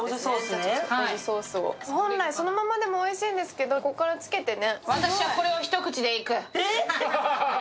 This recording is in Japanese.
本来そのままでもおいしいんですけどここからつけてね。